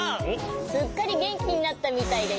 すっかりげんきになったみたいでよかった！